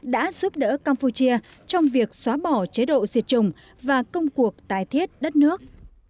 đã giúp đỡ campuchia trong việc xóa bỏ chế độ diệt chủng và công cuộc tái thiết đất nước